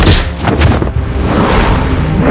mereka sudah apa